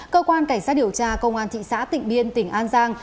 cơ quan cảnh sát điều tra công an thị xã tịnh biên tỉnh an giang